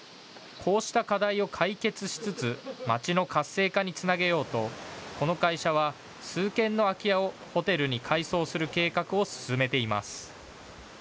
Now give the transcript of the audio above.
こうした課題を解決しつつ町の活性化につなげようとこの会社は数軒の空き家をホテルに改装する計画を進めています。